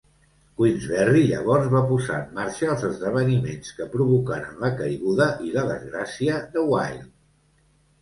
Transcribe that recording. Queensberry llavors va posar en marxa els esdeveniments que provocaren la caiguda i la desgràcia de Wilde.